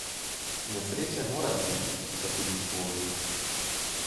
Nesreče morajo biti, če hudič vozi.